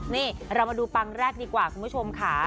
นี่เรามาดูปังแรกดีกว่าคุณผู้ชมค่ะ